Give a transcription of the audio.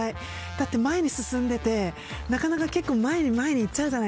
だって前に進んでてなかなか結構前に前に行っちゃうじゃないですか。